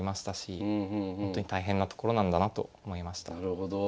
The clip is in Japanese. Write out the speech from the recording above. なるほど。